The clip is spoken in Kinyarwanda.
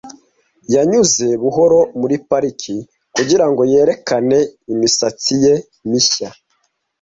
Yanyuze buhoro muri parike kugirango yerekane imisatsi ye mishya.